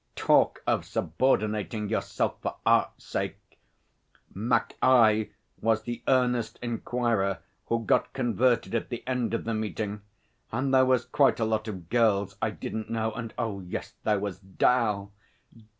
Talk of subordinating yourself for Art's sake! Mackaye was the earnest inquirer who got converted at the end of the meeting. And there was quite a lot of girls I didn't know, and oh, yes there was 'Dal!